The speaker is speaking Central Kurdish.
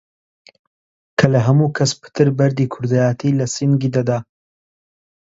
کە لە هەموو کەس پتر بەردی کوردایەتی لە سینگی دەدا!